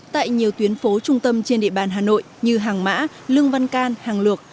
tại nhiều tuyến phố trung tâm trên địa bàn hà nội như hàng mã lương văn can hàng luộc